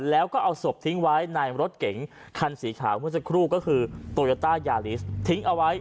แล้วก็เอาศพทิ้งไว้ในรถเก๋งคันสีขาวเมื่อสักครู่ก็คือโตโยต้ายาลิสทิ้งเอาไว้